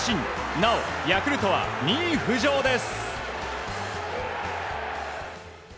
なお、ヤクルトは２位浮上です！